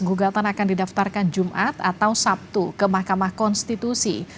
gugatan akan didaftarkan jumat atau sabtu ke mahkamah konstitusi